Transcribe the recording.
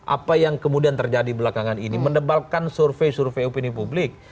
apa yang kemudian terjadi belakangan ini mendebalkan survei survei opini publik